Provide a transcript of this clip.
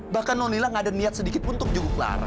bahkan nona nila gak ada niat sedikit pun untuk jemput lara